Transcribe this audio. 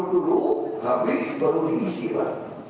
kemudiannya ini juga